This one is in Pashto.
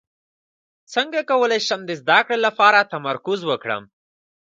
څنګه کولی شم د زده کړې لپاره تمرکز وکړم